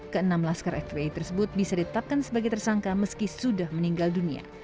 keenam laskar fpi tersebut bisa ditetapkan sebagai tersangka meski sudah meninggal dunia